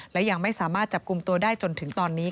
และยังไม่สามารถจับกลุ่มตัวได้จนถึงตอนนี้